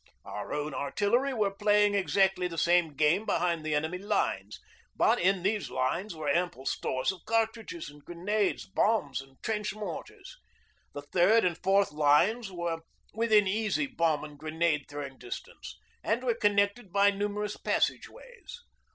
Our own artillery were playing exactly the same game behind the enemy lines, but in these lines were ample stores of cartridges and grenades, bombs, and trench mortars. The third and fourth lines were within easy bomb and grenade throwing distance, and were connected by numerous passage ways.